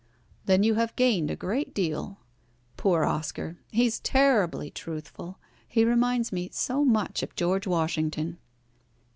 "Then you have gained a great deal. Poor Oscar! He is terribly truthful. He reminds me so much of George Washington."